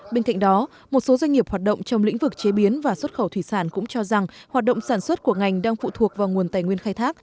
bên cạnh đó một số doanh nghiệp hoạt động trong lĩnh vực chế biến và xuất khẩu thủy sản cũng cho rằng hoạt động sản xuất của ngành đang phụ thuộc vào nguồn tài nguyên khai thác